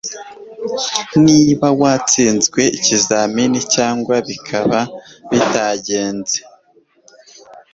niba watsinzwe ikizamini cyangwa bikaba bitagenze